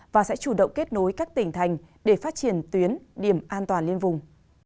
và sẽ chủ động kết nối các tỉnh thành để phát triển tuyến điểm an toàn liên vùng